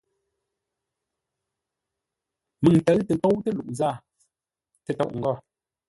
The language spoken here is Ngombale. Məŋ ntə̌ʉ tə́ ntóutə́ luʼú zâa tə́tóʼ-ngôr.